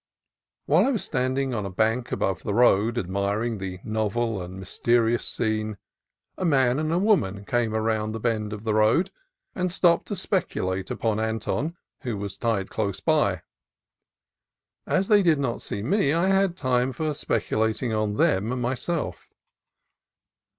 While I was standing on a bank above the road, admiring the novel and mysterious scene, a man and a woman came round the bend of the road and stopped to speculate upon Anton, who was tied close by. As they did not see me I had time for speculating on them myself.